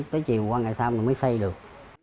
tới chiều qua ngày sau mình mới xây được